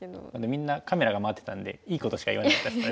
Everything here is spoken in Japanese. みんなカメラが回ってたんでいいことしか言わなかったですね。